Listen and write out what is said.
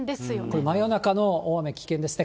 これ、真夜中の大雨、危険ですよね。